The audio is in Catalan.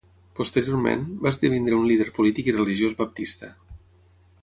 Posteriorment, va esdevenir un líder polític i religiós baptista.